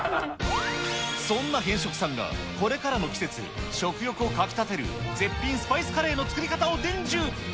そんな偏食さんが、これからの季節、食欲をかき立てる絶品スパイスカレーの作り方を伝授。